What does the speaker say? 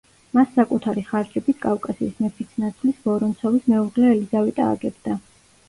მას საკუთარი ხარჯებით კავკასიის მეფისნაცვლის ვორონცოვის მეუღლე ელიზავეტა აგებდა.